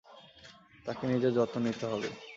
তাকে নিজের যত্ন নিতে হবে।